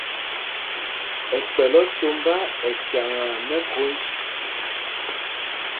Ɛkpɛl otombá ɛ cyaŋaa mɛkhōnj.